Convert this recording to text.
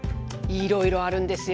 いろいろあるんですよ。